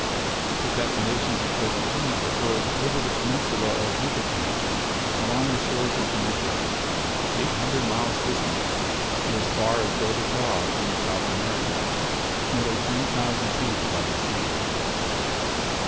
The detonations of Cosequina were heard over the peninsula of Yucatan, along the shores of Jamaica, eight hundred miles distant, and as far as Bogota in South America nearly ten thousand feet above the sea.